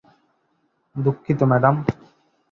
দুঃখিত, ম্যাডাম।